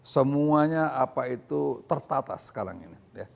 semuanya apa itu tertata sekarang ini